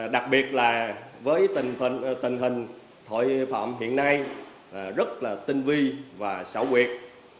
đặc biệt là với tình hình tội phạm hiện nay rất là tinh vi và xảo quyệt